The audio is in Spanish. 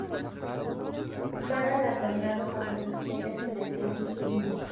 Está galardonado con tres estrellas en la Guía Michelin.